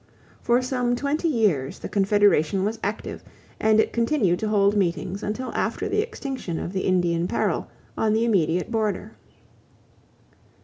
For some twenty years the Confederation was active and it continued to hold meetings until after the extinction of the Indian peril on the immediate border.